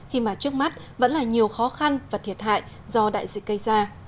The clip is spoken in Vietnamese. khi mà trước mắt vẫn là nhiều khó khăn và thiệt hại do đại dịch gây ra